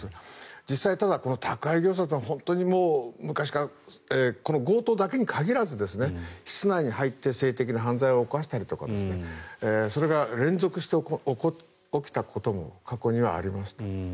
実際、この宅配業者というのは昔から強盗だけに限らず室内に入って性的な犯罪を犯したりとかそれが連続して起きたことも過去にはありました。